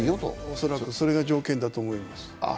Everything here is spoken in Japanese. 恐らくそれが条件だと思います。